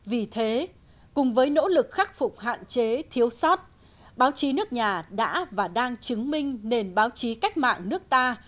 vì thế cùng với nỗ lực khắc phục hạn chế thiếu sót báo chí nước nhà đã và đang chứng minh nền báo chí cách mạng nước ta